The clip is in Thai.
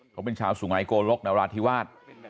เขาเป็นชาวสุงัยโกลกนราธิวาส